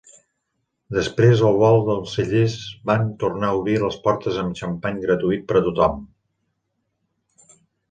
Després del vol, els cellers van tornar a obrir les portes amb xampany gratuït per a tothom.